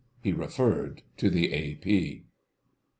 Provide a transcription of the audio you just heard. He referred to the A.P.